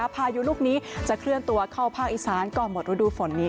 พายุลูกนี้จะเคลื่อนตัวเข้าภาคอีสานก่อนหมดฤดูฝนนี้